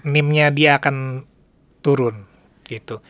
meme nya dia akan turun gitu